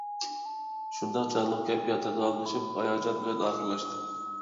شۇنداق جانلىق كەيپىياتتا داۋاملىشىپ، ھاياجان بىلەن ئاخىرلاشتى.